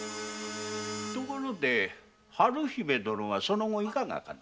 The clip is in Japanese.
ところで春姫殿はその後いかがかな？